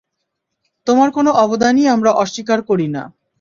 তোমার কোন অবদানই আমরা অস্বীকার করি না।